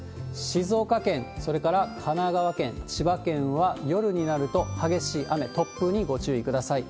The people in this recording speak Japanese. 静岡県、それから神奈川県、千葉県は、夜になると激しい雨、突風にご注意ください。